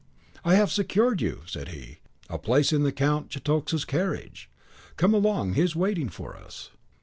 "I have secured you," said he, "a place in the Count Cetoxa's carriage. Come along, he is waiting for us."